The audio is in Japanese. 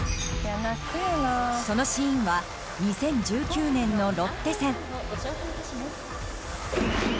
そのシーンは２０１９年のロッテ戦。